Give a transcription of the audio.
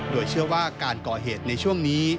โดยเชื่อว่าการก่อเหตุในช่วงนี้